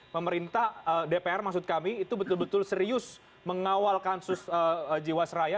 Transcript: pemerintah dpr maksud kami itu betul betul serius mengawal kasus jiwasraya